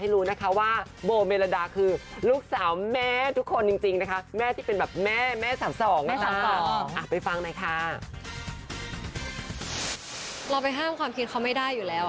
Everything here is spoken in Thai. เราไปห้ามความคิดเขาไม่ได้อยู่แล้ว